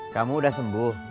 kamu udah sembuh